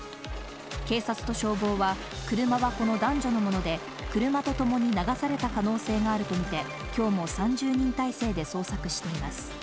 警察と消防は、車はこの男女のもので、車とともに流された可能性があると見て、きょうも３０人態勢で捜索しています。